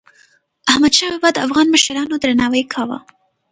احمدشاه بابا د افغان مشرانو درناوی کاوه.